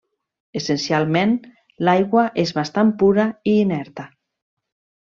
Essencialment, l'aigua és bastant pura i inerta.